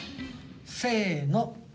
せの。